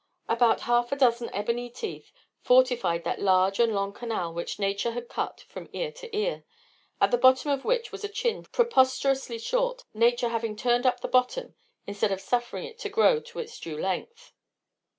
About half a dozen ebony teeth fortified that large and long canal which nature had cut from ear to ear, at the bottom of which was a chin preposterously short, nature having turned up the bottom, instead of suffering it to grow to its due length.